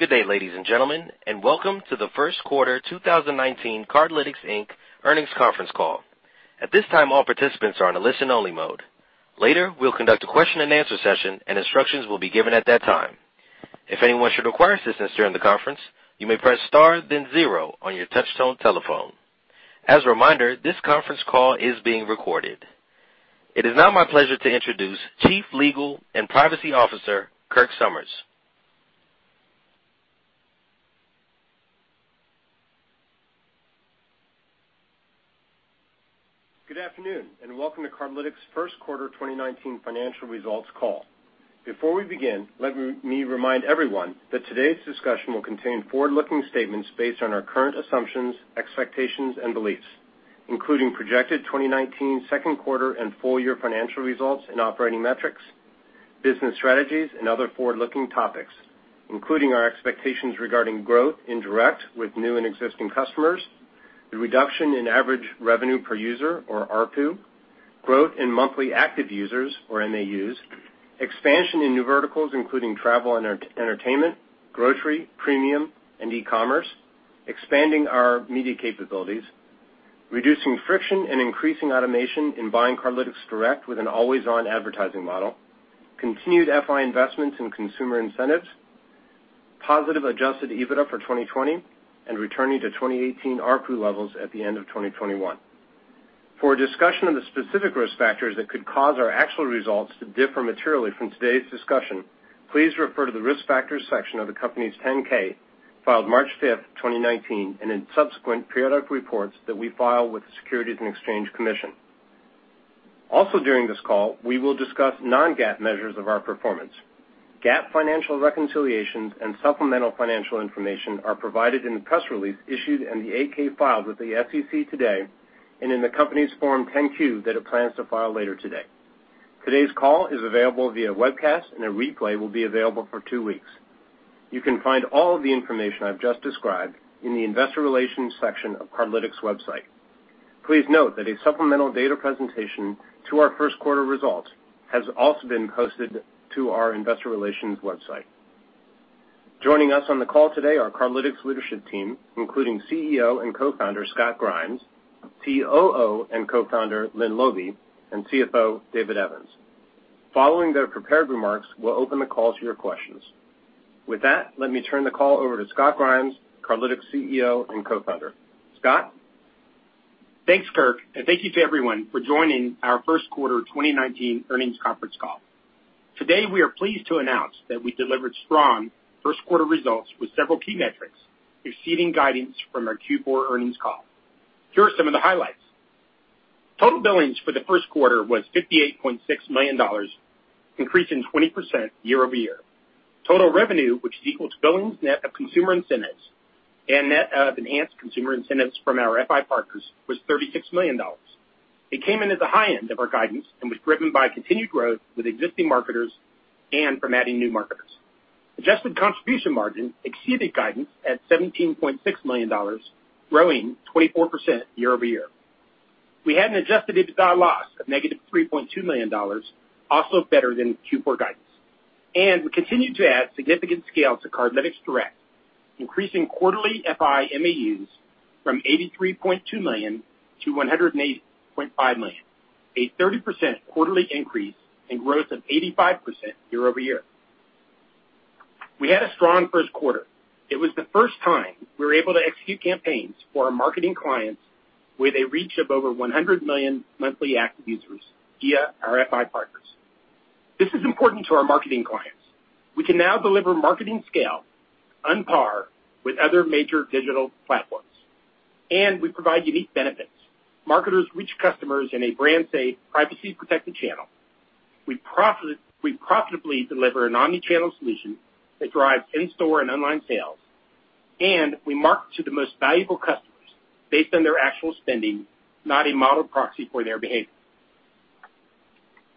Good day, ladies and gentlemen, and welcome to the first quarter 2019 Cardlytics, Inc. earnings conference call. At this time, all participants are on a listen-only mode. Later, we'll conduct a question-and-answer session, and instructions will be given at that time. If anyone should require assistance during the conference, you may press star then zero on your touch-tone telephone. As a reminder, this conference call is being recorded. It is now my pleasure to introduce Chief Legal and Privacy Officer, Kirk Somers. Good afternoon, and welcome to Cardlytics' first quarter 2019 financial results call. Before we begin, let me remind everyone that today's discussion will contain forward-looking statements based on our current assumptions, expectations, and beliefs, including projected 2019 second quarter and full year financial results and operating metrics, business strategies, and other forward-looking topics, including our expectations regarding growth in Cardlytics Direct with new and existing customers, the reduction in average revenue per user or ARPU, growth in monthly active users or MAUs, expansion in new verticals, including travel and entertainment, grocery, premium, and e-commerce, expanding our media capabilities, reducing friction and increasing automation in buying Cardlytics Direct with an always-on advertising model, continued FI investments in Consumer Incentives, positive Adjusted EBITDA for 2020, and returning to 2018 ARPU levels at the end of 2021. For a discussion of the specific risk factors that could cause our actual results to differ materially from today's discussion, please refer to the Risk Factors section of the company's 10-K, filed March fifth, 2019, and in subsequent periodic reports that we file with the Securities and Exchange Commission. Also, during this call, we will discuss non-GAAP measures of our performance. GAAP financial reconciliations and supplemental financial information are provided in the press release issued in the 8-K filed with the SEC today, and in the company's Form 10-Q that it plans to file later today. Today's call is available via webcast, and a replay will be available for two weeks. You can find all of the information I've just described in the investor relations section of Cardlytics' website. Please note that a supplemental data presentation to our first quarter results has also been posted to our investor relations website. Joining us on the call today are Cardlytics' leadership team, including CEO and co-founder, Scott Grimes, COO and co-founder, Lynne Laube, and CFO, David Evans. Following their prepared remarks, we'll open the call to your questions. With that, let me turn the call over to Scott Grimes, Cardlytics CEO, and co-founder. Scott? Thanks, Kirk, and thank you to everyone for joining our first quarter 2019 earnings conference call. Today, we are pleased to announce that we delivered strong first quarter results with several key metrics exceeding guidance from our Q4 earnings call. Here are some of the highlights. Total billings for the first quarter was $58.6 million, increasing 20% year-over-year. Total revenue, which is equal to billings net of Consumer Incentives and net of Enhanced Consumer Incentives from our FI partners, was $36 million. It came in at the high end of our guidance and was driven by continued growth with existing marketers and from adding new marketers. Adjusted Contribution Margin exceeded guidance at $17.6 million, growing 24% year-over-year. We had an Adjusted EBITDA loss of negative $3.2 million, also better than Q4 guidance. We continued to add significant scale to Cardlytics Direct, increasing quarterly FI MAUs from 83.2 million to 108.5 million, a 30% quarterly increase and growth of 85% year-over-year. We had a strong first quarter. It was the first time we were able to execute campaigns for our marketing clients with a reach of over 100 million Monthly Active Users via our FI partners. This is important to our marketing clients. We can now deliver marketing scale on par with other major digital platforms. We provide unique benefits. Marketers reach customers in a brand-safe, privacy-protected channel. We profitably deliver an omni-channel solution that drives in-store and online sales. We market to the most valuable customers based on their actual spending, not a model proxy for their behavior.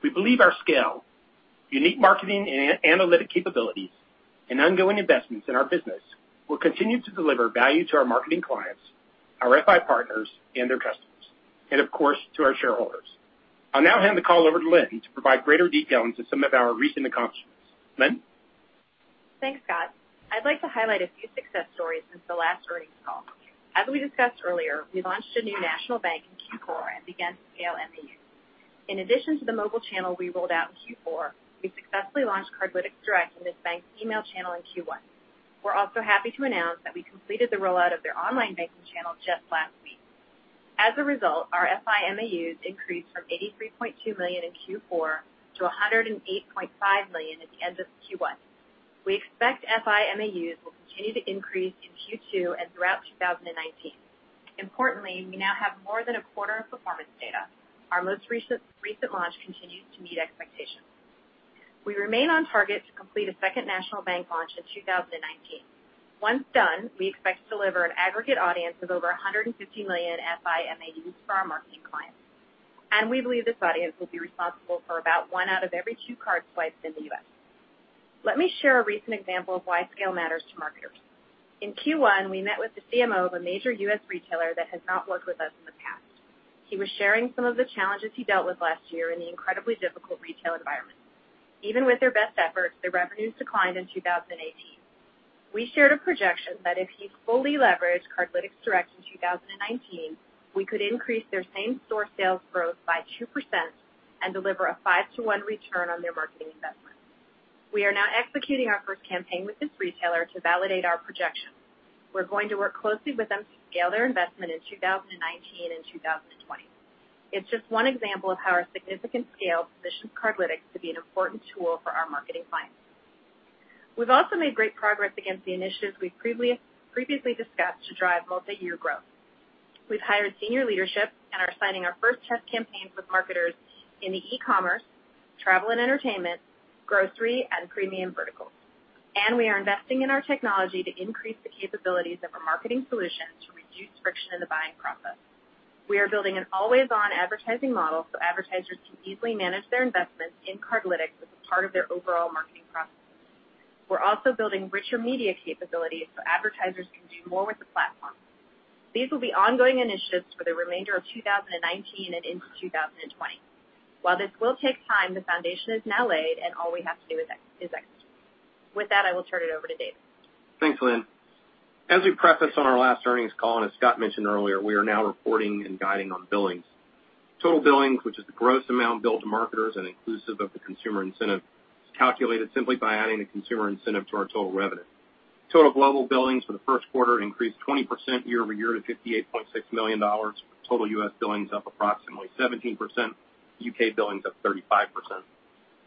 We believe our scale, unique marketing and analytic capabilities, and ongoing investments in our business will continue to deliver value to our marketing clients, our FI partners, and their customers, and of course, to our shareholders. I will now hand the call over to Lynne to provide greater detail into some of our recent accomplishments. Lynne? Thanks, Scott. I would like to highlight a few success stories since the last earnings call. As we discussed earlier, we launched a new national bank in Q4 and began to scale MAUs. In addition to the mobile channel we rolled out in Q4, we successfully launched Cardlytics Direct in this bank's email channel in Q1. We are also happy to announce that we completed the rollout of their online banking channel just last week. As a result, our FI MAUs increased from 83.2 million in Q4 to 108.5 million at the end of Q1. We expect FI MAUs will continue to increase in Q2 and throughout 2019. Importantly, we now have more than a quarter of performance data. Our most recent launch continues to meet expectations. We remain on target to complete a second national bank launch in 2019. Once done, we expect to deliver an aggregate audience of over 150 million FI MAUs for our marketing clients. We believe this audience will be responsible for about 1 out of every 2 card swipes in the U.S. Let me share a recent example of why scale matters. In Q1, we met with the CMO of a major U.S. retailer that has not worked with us in the past. He was sharing some of the challenges he dealt with last year in the incredibly difficult retail environment. Even with their best efforts, their revenues declined in 2018. We shared a projection that if he fully leveraged Cardlytics Direct in 2019, we could increase their same-store sales growth by 2% and deliver a 5 to 1 return on their marketing investment. We are now executing our first campaign with this retailer to validate our projection. We're going to work closely with them to scale their investment in 2019 and 2020. It's just one example of how our significant scale positions Cardlytics to be an important tool for our marketing clients. We've also made great progress against the initiatives we've previously discussed to drive multi-year growth. We've hired senior leadership and are signing our first test campaigns with marketers in the e-commerce, travel and entertainment, grocery, and premium verticals. We are investing in our technology to increase the capabilities of our marketing solutions to reduce friction in the buying process. We are building an always-on advertising model so advertisers can easily manage their investments in Cardlytics as a part of their overall marketing process. We're also building richer media capabilities so advertisers can do more with the platform. These will be ongoing initiatives for the remainder of 2019 and into 2020. While this will take time, the foundation is now laid and all we have to do is execute. With that, I will turn it over to David. Thanks, Lynne. As we prefaced on our last earnings call, as Scott mentioned earlier, we are now reporting and guiding on billings. Total billings, which is the gross amount billed to marketers and inclusive of the Consumer Incentive, is calculated simply by adding the Consumer Incentive to our total revenue. Total global billings for the first quarter increased 20% year-over-year to $58.6 million, with total U.S. billings up approximately 17%, U.K. billings up 35%.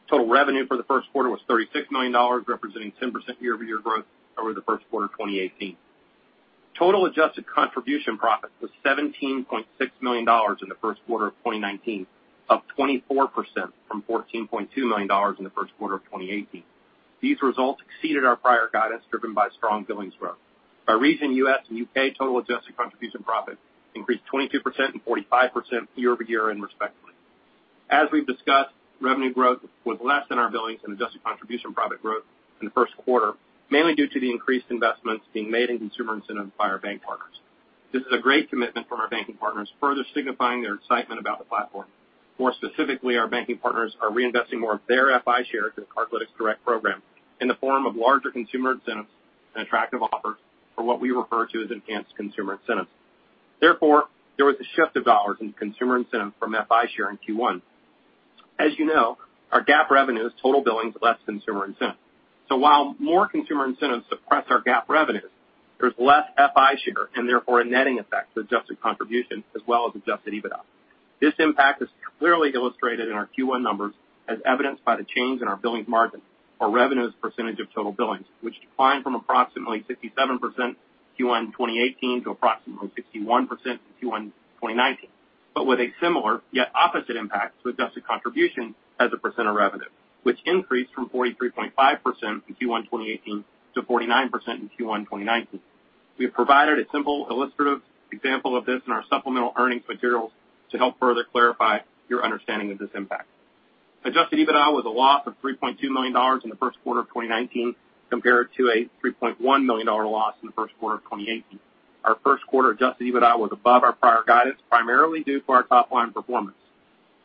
Total revenue for the first quarter was $36 million, representing 10% year-over-year growth over the first quarter of 2018. Total adjusted contribution profit was $17.6 million in the first quarter of 2019, up 24% from $14.2 million in the first quarter of 2018. These results exceeded our prior guidance, driven by strong billings growth. By region, U.S. and U.K. total adjusted contribution profit increased 22% and 45% year-over-year, respectively. As we've discussed, revenue growth was less than our billings and Adjusted Contribution profit growth in the first quarter, mainly due to the increased investments being made in Consumer Incentive by our bank partners. This is a great commitment from our banking partners, further signifying their excitement about the platform. More specifically, our banking partners are reinvesting more of their FI Share into the Cardlytics Direct program in the form of larger Consumer Incentives and attractive offers for what we refer to as Enhanced Consumer Incentives. There was a shift of dollars in Consumer Incentive from FI Share in Q1. As you know, our GAAP revenue is total billings less Consumer Incentive. While more Consumer Incentives suppress our GAAP revenue, there's less FI Share and therefore a netting effect to Adjusted Contribution as well as Adjusted EBITDA. This impact is clearly illustrated in our Q1 numbers as evidenced by the change in our billings margin. Our revenue as a percentage of total billings, which declined from approximately 67% in Q1 2018 to approximately 61% in Q1 2019. With a similar yet opposite impact to Adjusted Contribution as a percent of revenue, which increased from 43.5% in Q1 2018 to 49% in Q1 2019. We have provided a simple illustrative example of this in our supplemental earnings materials to help further clarify your understanding of this impact. Adjusted EBITDA was a loss of $3.2 million in the first quarter of 2019, compared to a $3.1 million loss in the first quarter of 2018. Our first quarter Adjusted EBITDA was above our prior guidance, primarily due to our top-line performance.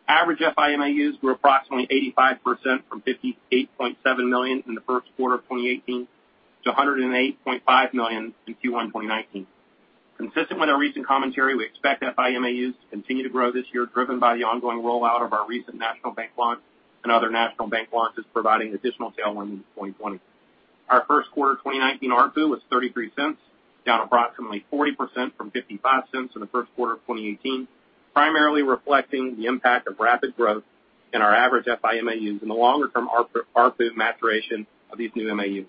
Average FI MAUs were approximately 85% from $58.7 million in the first quarter of 2018 to $108.5 million in Q1 2019. Consistent with our recent commentary, we expect FI MAUs to continue to grow this year, driven by the ongoing rollout of our recent national bank launch and other national bank launches providing additional tailwinds in 2020. Our first quarter 2019 ARPU was $0.33, down approximately 40% from $0.55 in the first quarter of 2018, primarily reflecting the impact of rapid growth in our average FI MAUs and the longer-term ARPU maturation of these new MAUs.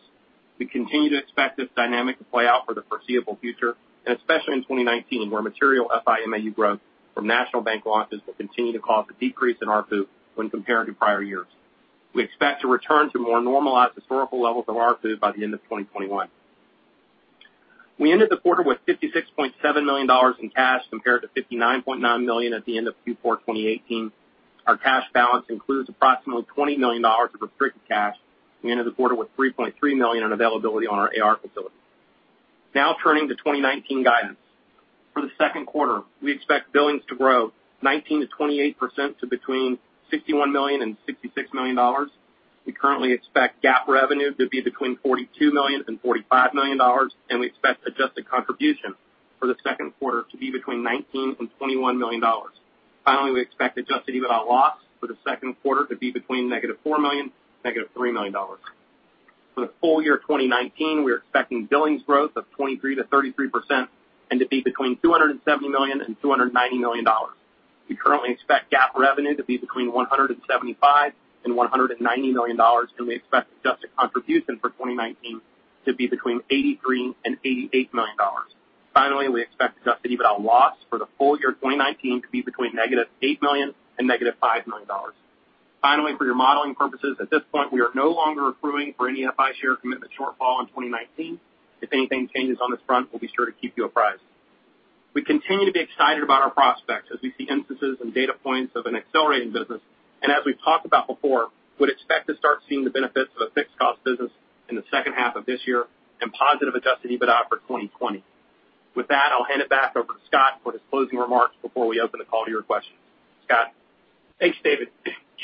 We continue to expect this dynamic to play out for the foreseeable future and especially in 2019, where material FI MAU growth from national bank launches will continue to cause a decrease in ARPU when compared to prior years. We expect to return to more normalized historical levels of ARPU by the end of 2021. We ended the quarter with $56.7 million in cash compared to $59.9 million at the end of Q4 2018. Our cash balance includes approximately $20 million of restricted cash. We ended the quarter with $3.3 million in availability on our AR facility. Now turning to 2019 guidance. For the second quarter, we expect billings to grow 19%-28% to between $61 million and $66 million. We currently expect GAAP revenue to be between $42 million and $45 million, and we expect Adjusted Contribution for the second quarter to be between $19 million and $21 million. We expect Adjusted EBITDA loss for the second quarter to be between -$4 million to -$3 million. For the full year 2019, we are expecting billings growth of 23%-33% and to be between $270 million and $290 million. We currently expect GAAP revenue to be between $175 million and $190 million, and we expect Adjusted Contribution for 2019 to be between $83 million and $88 million. Finally, we expect Adjusted EBITDA loss for the full year 2019 to be between negative $8 million and negative $5 million. Finally, for your modeling purposes, at this point, we are no longer accruing for any FI Share commitment shortfall in 2019. If anything changes on this front, we'll be sure to keep you apprised. We continue to be excited about our prospects as we see instances and data points of an accelerating business. As we've talked about before, would expect to start seeing the benefits of a fixed cost business in the second half of this year and positive Adjusted EBITDA for 2020. With that, I'll hand it back over to Scott for his closing remarks before we open the call to your questions. Scott? Thanks, David.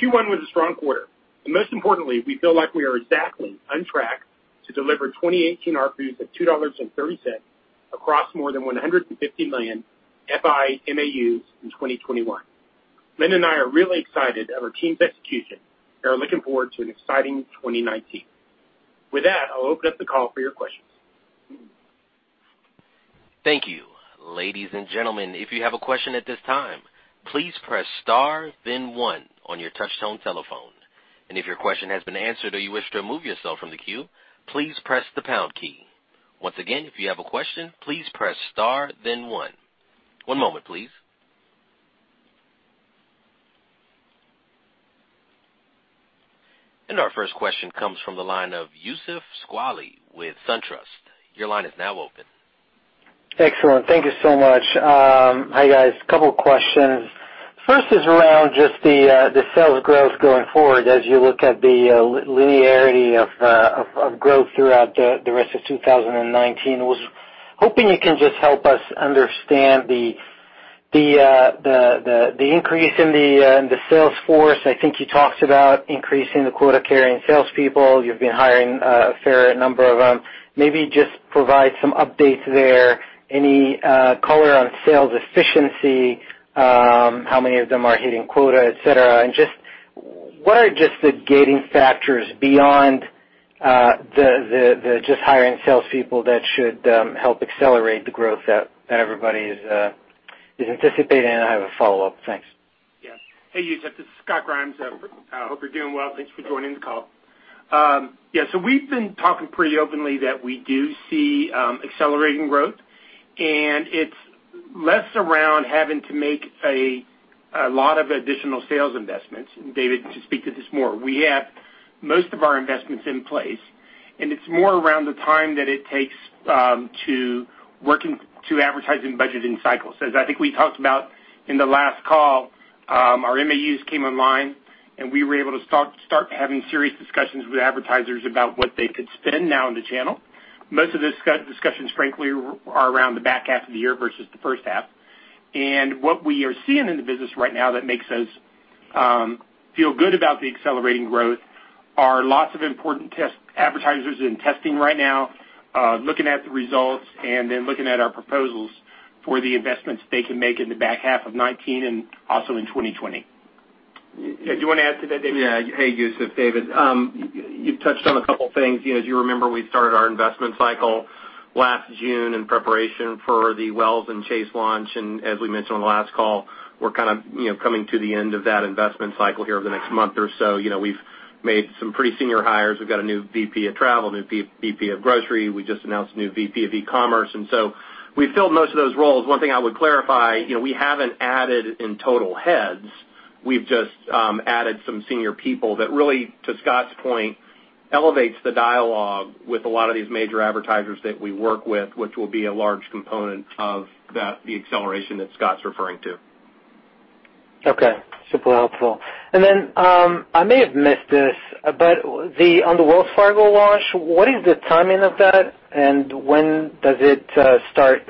Q1 was a strong quarter. Most importantly, we feel like we are exactly on track to deliver 2018 ARPUs of $2.30 across more than 150 million FI MAUs in 2021. Lynne and I are really excited of our team's execution and are looking forward to an exciting 2019. With that, I'll open up the call for your questions. Thank you. Ladies and gentlemen, if you have a question at this time, please press star then one on your touchtone telephone. If your question has been answered or you wish to remove yourself from the queue, please press the pound key. Once again, if you have a question, please press star then one. One moment, please. Our first question comes from the line of Youssef Squali with SunTrust. Your line is now open. Excellent. Thank you so much. Hi, guys. Couple of questions. First is around just the sales growth going forward as you look at the linearity of growth throughout the rest of 2019. Was hoping you can just help us understand the increase in the sales force. I think you talked about increasing the quota-carrying salespeople. You've been hiring a fair number of them. Maybe just provide some updates there, any color on sales efficiency, how many of them are hitting quota, et cetera. Just what are just the gating factors beyond the just hiring salespeople that should help accelerate the growth that everybody is anticipating? I have a follow-up. Thanks. Hey, Youssef. This is Scott Grimes. Hope you're doing well. Thanks for joining the call. We've been talking pretty openly that we do see accelerating growth, and it's less around having to make a lot of additional sales investments. David can just speak to this more. We have most of our investments in place, and it's more around the time that it takes to working to advertising budgeting cycles. As I think we talked about in the last call, our MAUs came online, and we were able to start having serious discussions with advertisers about what they could spend now in the channel. Most of those discussions, frankly, are around the back half of the year versus the first half. What we are seeing in the business right now that makes us feel good about the accelerating growth are lots of important advertisers in testing right now, looking at the results and then looking at our proposals for the investments they can make in the back half of 2019 and also in 2020. Do you want to add to that, David? Hey, Youssef. David. You've touched on a couple of things. As you remember, we started our investment cycle last June in preparation for the Wells and Chase launch. As we mentioned on the last call, we're kind of coming to the end of that investment cycle here over the next month or so. We've made some pretty senior hires. We've got a new VP of travel, new VP of grocery. We just announced a new VP of e-commerce, we filled most of those roles. One thing I would clarify, we haven't added in total heads. We've just added some senior people that really, to Scott's point, elevates the dialogue with a lot of these major advertisers that we work with, which will be a large component of the acceleration that Scott's referring to. Okay. Super helpful. I may have missed this, but on the Wells Fargo launch, what is the timing of that, and when does it start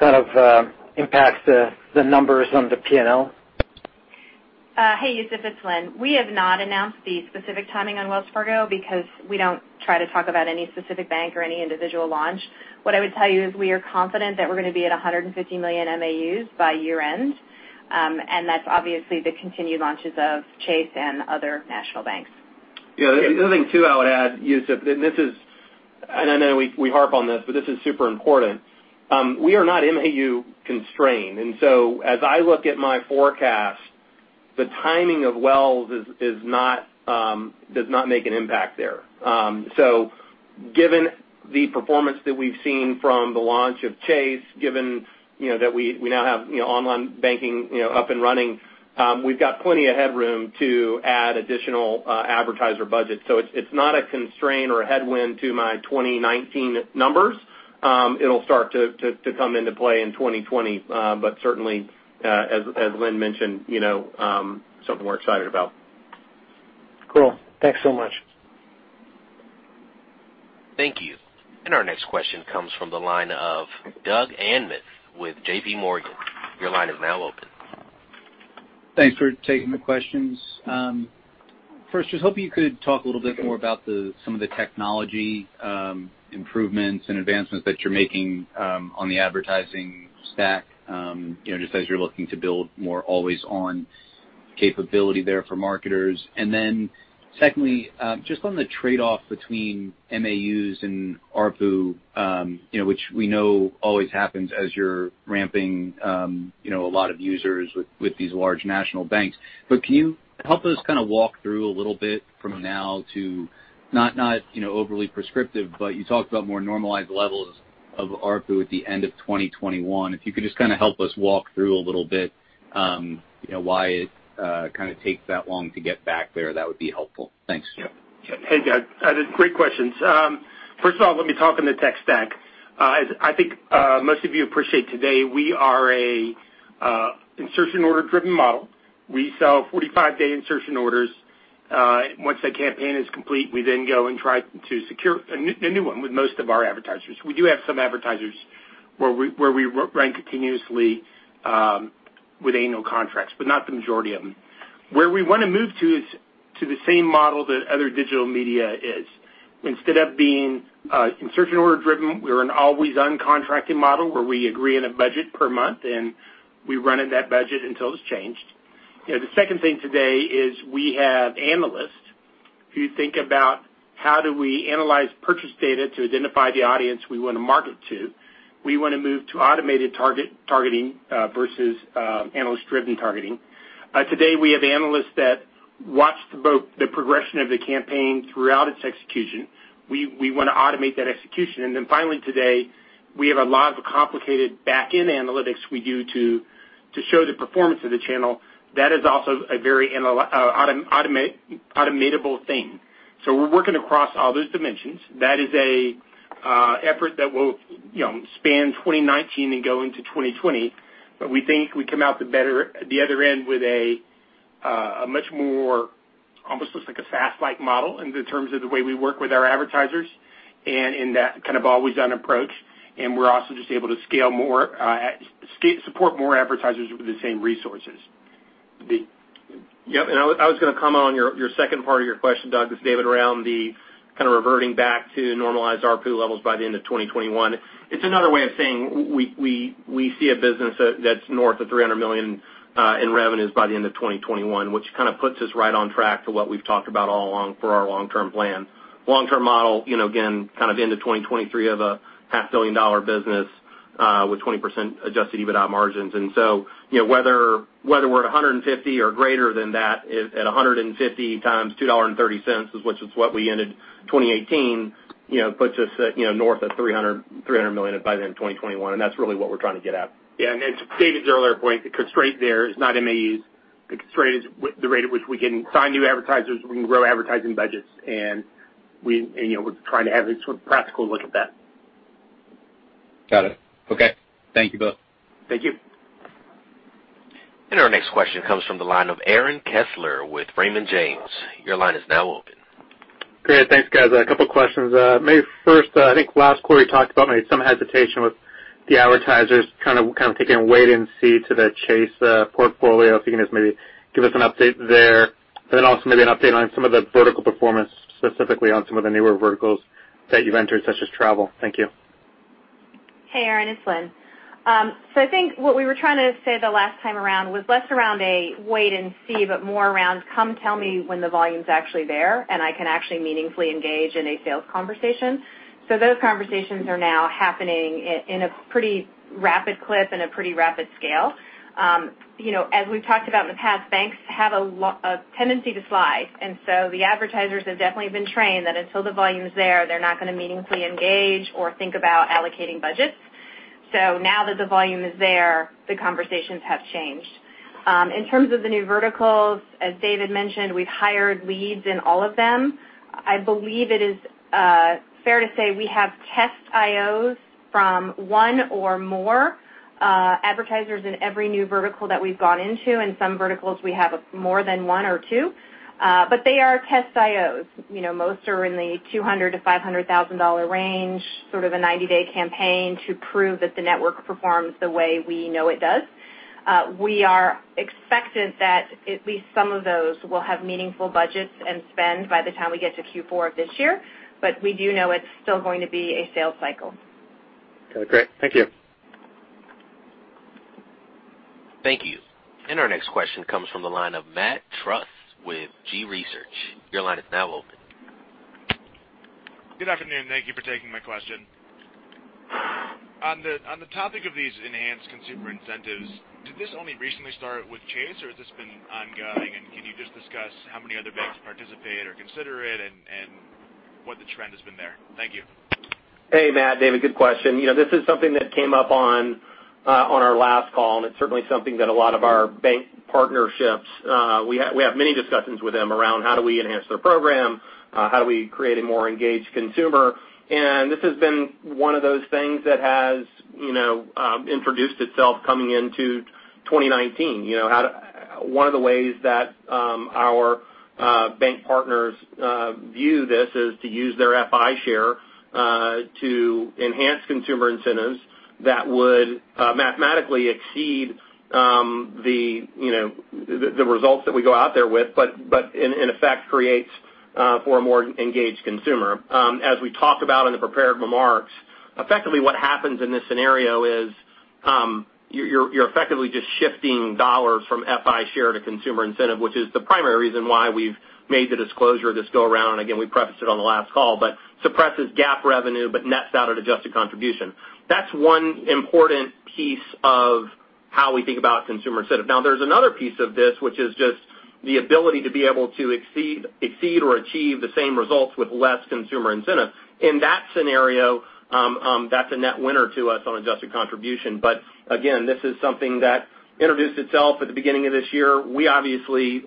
kind of impact the numbers on the P&L? Hey, Youssef, it's Lynne. We have not announced the specific timing on Wells Fargo because we don't try to talk about any specific bank or any individual launch. What I would tell you is we are confident that we're going to be at 150 million MAUs by year-end, and that's obviously the continued launches of Chase and other national banks. The other thing too I would add, Youssef, and I know we harp on this, but this is super important. We are not MAU-constrained, as I look at my forecast, the timing of Wells does not make an impact there. Given the performance that we've seen from the launch of Chase, given that we now have online banking up and running, we've got plenty of headroom to add additional advertiser budget. It's not a constraint or a headwind to my 2019 numbers. It'll start to come into play in 2020. Certainly, as Lynne mentioned, something we're excited about. Cool. Thanks so much. Thank you. Our next question comes from the line of Doug Anmuth with JPMorgan. Your line is now open. Thanks for taking the questions. First, just hoping you could talk a little bit more about some of the technology improvements and advancements that you're making on the advertising stack, just as you're looking to build more always-on capability there for marketers. Secondly, just on the trade-off between MAUs and ARPU which we know always happens as you're ramping a lot of users with these large national banks. Can you help us kind of walk through a little bit from now to not overly prescriptive, but you talked about more normalized levels of ARPU at the end of 2021. If you could just kind of help us walk through a little bit why it kind of takes that long to get back there, that would be helpful. Thanks. Sure. Hey, Doug. Great questions. First of all, let me talk on the tech stack. I think most of you appreciate today, we are an insertion order-driven model. We sell 45-day insertion orders. Once that campaign is complete, we then go and try to secure a new one with most of our advertisers. We do have some advertisers where we run continuously with annual contracts, but not the majority of them. Where we want to move to is to the same model that other digital media is. Instead of being insertion order-driven, we're an always on contracting model where we agree on a budget per month, and we run in that budget until it's changed. The second thing today is we have analysts. If you think about how do we analyze purchase data to identify the audience we want to market to, we want to move to automated targeting versus analyst-driven targeting. Today, we have analysts that watch the progression of the campaign throughout its execution. We want to automate that execution. Finally, today, we have a lot of complicated back-end analytics we do to show the performance of the channel. That is also a very automatable thing. We're working across all those dimensions. That is an effort that will span 2019 and go into 2020. We think we come out the other end with a much more, almost looks like a SaaS-like model in terms of the way we work with our advertisers and in that kind of always-on approach. We're also just able to support more advertisers with the same resources. Yep. I was going to comment on your second part of your question, Doug, is David around the kind of reverting back to normalized ARPU levels by the end of 2021. It's another way of saying we see a business that's north of $300 million in revenues by the end of 2021, which kind of puts us right on track to what we've talked about all along for our long-term plan. Long-term model, again, kind of into 2023 of a half billion-dollar business with 20% Adjusted EBITDA margins. Whether we're at 150 or greater than that, at 150 times $2.30, which is what we ended 2018, puts us at north of $300 million by the end of 2021. That's really what we're trying to get at. Yeah. To David's earlier point, the constraint there is not MAUs. The constraint is the rate at which we can sign new advertisers, we can grow advertising budgets, and we're trying to have a sort of practical look at that. Got it. Okay. Thank you both. Thank you. Our next question comes from the line of Aaron Kessler with Raymond James. Your line is now open. Great. Thanks, guys. A couple of questions. Maybe first, I think last quarter you talked about maybe some hesitation with the advertisers kind of taking a wait and see to the Chase portfolio. If you can just maybe give us an update there. Also maybe an update on some of the vertical performance, specifically on some of the newer verticals that you've entered, such as travel. Thank you. Hey, Aaron, it's Lynne. I think what we were trying to say the last time around was less around a wait and see, but more around, come tell me when the volume's actually there, and I can actually meaningfully engage in a sales conversation. Those conversations are now happening in a pretty rapid clip and a pretty rapid scale. We've talked about in the past, banks have a tendency to slide. The advertisers have definitely been trained that until the volume is there, they're not going to meaningfully engage or think about allocating budgets. Now that the volume is there, the conversations have changed. In terms of the new verticals, as David mentioned, we've hired leads in all of them. I believe it is fair to say we have test IOs from one or more advertisers in every new vertical that we've gone into, some verticals we have more than one or two. They are test IOs. Most are in the $200,000-$500,000 range, sort of a 90-day campaign to prove that the network performs the way we know it does. We are expectant that at least some of those will have meaningful budgets and spend by the time we get to Q4 of this year, but we do know it's still going to be a sales cycle. Okay, great. Thank you. Thank you. Our next question comes from the line of Matt Truss with G Research. Your line is now open. Good afternoon. Thank you for taking my question. On the topic of these Enhanced Consumer Incentives, did this only recently start with Chase, or has this been ongoing? Can you just discuss how many other banks participate or consider it and what the trend has been there? Thank you. Hey, Matt. David. Good question. It's certainly something that a lot of our bank partnerships, we have many discussions with them around how do we enhance their program? How do we create a more engaged consumer? This has been one of those things that has introduced itself coming into 2019. One of the ways that our bank partners view this is to use their FI share to enhance Consumer Incentives that would mathematically exceed the results that we go out there with, but in effect, creates for a more engaged consumer. As we talked about in the prepared remarks, effectively what happens in this scenario is, you're effectively just shifting dollars from FI share to Consumer Incentive, which is the primary reason why we've made the disclosure this go around. Again, we prefaced it on the last call, suppresses GAAP revenue, but nets out at adjusted contribution. That's one important piece of how we think about Consumer Incentive. There's another piece of this, which is just the ability to be able to exceed or achieve the same results with less Consumer Incentive. In that scenario- That's a net winner to us on adjusted contribution. Again, this is something that introduced itself at the beginning of this year. We obviously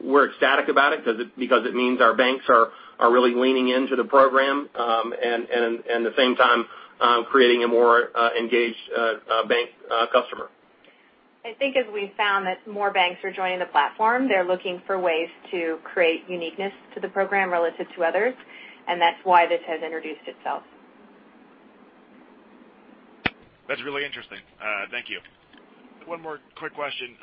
were ecstatic about it because it means our banks are really leaning into the program, and the same time creating a more engaged bank customer. I think as we've found that more banks are joining the platform, they're looking for ways to create uniqueness to the program relative to others, that's why this has introduced itself. That's really interesting. Thank you. One more quick question.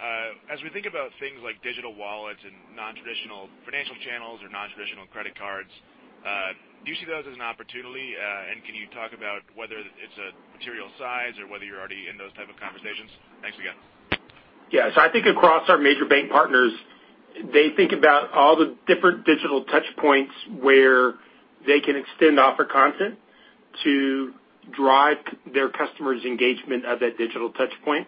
As we think about things like digital wallets and nontraditional financial channels or nontraditional credit cards, do you see those as an opportunity? Can you talk about whether it's a material size or whether you're already in those type of conversations? Thanks again. Yes. I think across our major bank partners, they think about all the different digital touchpoints where they can extend offer content to drive their customers' engagement at that digital touchpoint.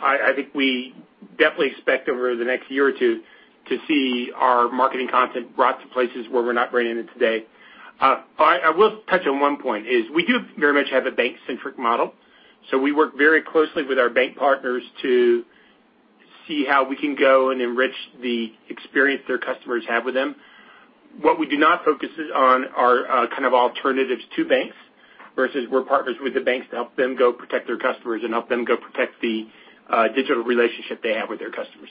I think we definitely expect over the next year or two to see our marketing content brought to places where we're not bringing it today. I will touch on one point, is we do very much have a bank-centric model. We work very closely with our bank partners to see how we can go and enrich the experience their customers have with them. What we do not focus is on are kind of alternatives to banks, versus we're partners with the banks to help them go protect their customers and help them go protect the digital relationship they have with their customers.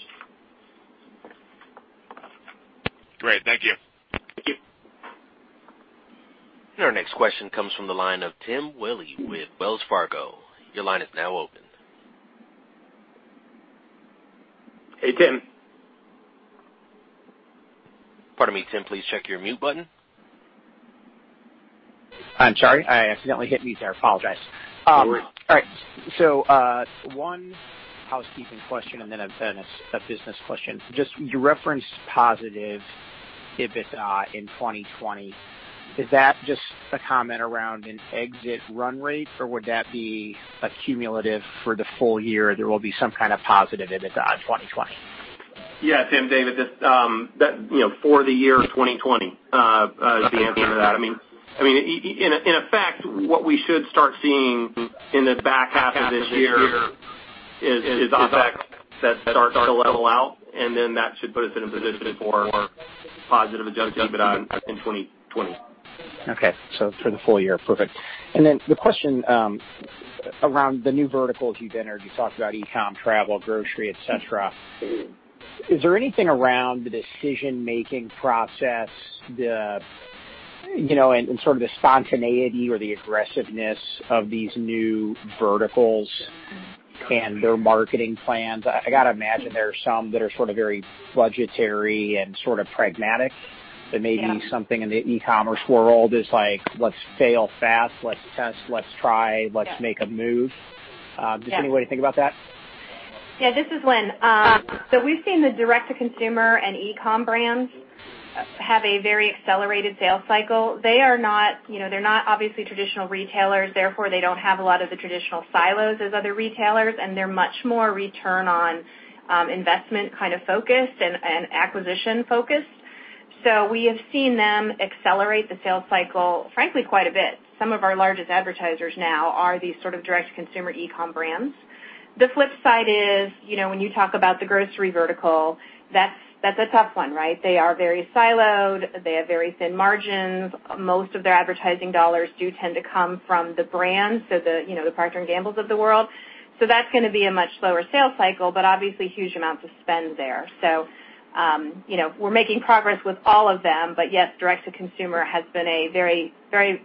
Great. Thank you. Thank you. Our next question comes from the line of Tim Willi with Wells Fargo. Your line is now open. Hey, Tim. Pardon me, Tim, please check your mute button. I'm sorry. I accidentally hit mute there. I apologize. All right. One housekeeping question and then a business question. Just you referenced positive EBITDA in 2020. Is that just a comment around an exit run rate, or would that be a cumulative for the full year, there will be some kind of positive EBITDA in 2020? Yeah, Tim. David, for the year 2020, is the answer to that. In effect, what we should start seeing in the back half of this year is OpEx that starts to level out, and then that should put us in a position for positive Adjusted EBITDA in 2020. Okay. For the full year. Perfect. The question around the new verticals you've entered. You talked about e-com, travel, grocery, et cetera. Is there anything around the decision-making process, and sort of the spontaneity or the aggressiveness of these new verticals and their marketing plans? I got to imagine there are some that are sort of very budgetary and sort of pragmatic. Maybe something in the e-commerce world is like, let's fail fast, let's test. Yeah. Let's make a move. Yeah. Does anybody think about that? Yeah, this is Lynne. We've seen the direct-to-consumer and e-com brands have a very accelerated sales cycle. They're not obviously traditional retailers, therefore they don't have a lot of the traditional silos as other retailers, and they're much more return on investment kind of focused and acquisition-focused. We have seen them accelerate the sales cycle, frankly, quite a bit. Some of our largest advertisers now are these sort of direct-to-consumer e-com brands. The flip side is, when you talk about the grocery vertical, that's a tough one, right? They are very siloed. They have very thin margins. Most of their advertising dollars do tend to come from the brands, the Procter & Gamble of the world. That's going to be a much slower sales cycle, but obviously huge amounts of spend there. We're making progress with all of them, but yes, direct-to-consumer has been a very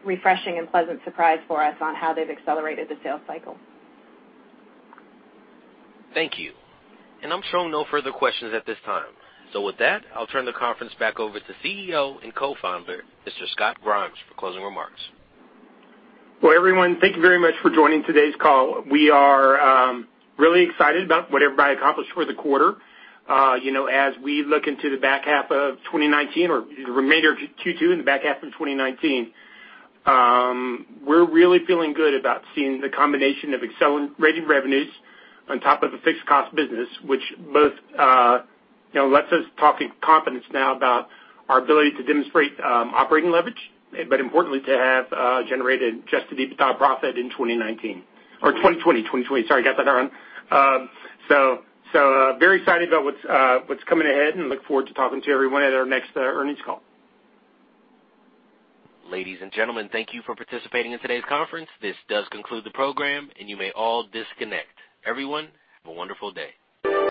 refreshing and pleasant surprise for us on how they've accelerated the sales cycle. Thank you. I'm showing no further questions at this time. With that, I'll turn the conference back over to CEO and Co-founder, Mr. Scott Grimes, for closing remarks. Well, everyone, thank you very much for joining today's call. We are really excited about what everybody accomplished for the quarter. As we look into the back half of 2019 or the remainder of Q2 and the back half of 2019, we're really feeling good about seeing the combination of accelerated revenues on top of the fixed cost business, which both lets us talk with confidence now about our ability to demonstrate operating leverage, but importantly, to have generated Adjusted EBITDA profit in 2019 or 2020. Sorry, got that wrong. Very excited about what's coming ahead and look forward to talking to everyone at our next earnings call. Ladies and gentlemen, thank you for participating in today's conference. This does conclude the program, and you may all disconnect. Everyone, have a wonderful day.